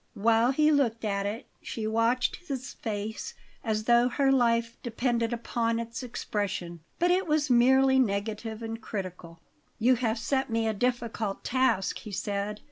While he looked at it she watched his face as though her life depended upon its expression; but it was merely negative and critical. "You have set me a difficult task," he said.